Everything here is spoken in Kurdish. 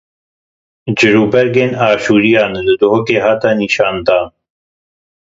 Cilûbergên Aşûriyan li Duhokê hat nîşandan.